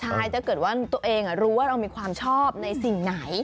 ใช่ถ้าเกิดว่าตัวเองรู้ว่าเรามีความชอบในสิ่งไหน